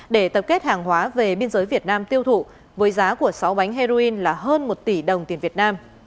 để tập kết hàng hóa về biên giới việt nam tiêu thụ với giá của sáu bánh heroin là hơn một tỷ đồng tiền việt nam